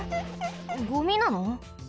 ゴミなの？